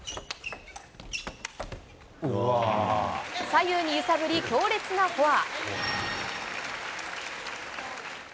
左右に揺さぶり、強烈なフォア。